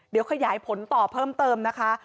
เดี๋ยวขยายผลต่อเพิ่มเติมนะคะ